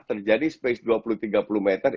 terjadi space dua puluh tiga puluh meter